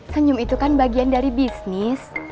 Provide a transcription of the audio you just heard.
senyum itu kan bagian dari bisnis